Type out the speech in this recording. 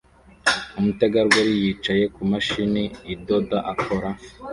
Umutegarugori yicaye kumashini idoda akora